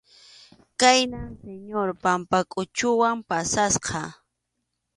Khaynam Señor Pampakʼuchuwan pasasqa.